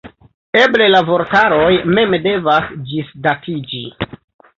Eble la vortaroj mem devas ĝisdatiĝi.